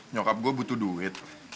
nyokap gue butuh duit